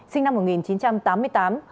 sinh năm một nghìn chín trăm tám mươi tám